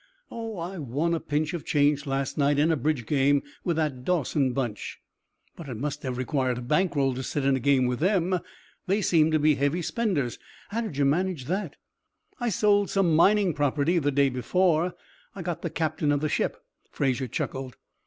"Oh! I won a pinch of change last night in a bridge game with that Dawson Bunch." "But it must have required a bank roll to sit in a game with them. They seem to be heavy spenders. How did you manage that?" "I sold some mining property the day before. I got the captain of the ship." Fraser chuckled.